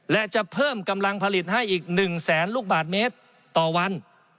และจะเพิ่มกำลังผลิตให้อีก๑แสนลูกบาทเมตรต่อวัน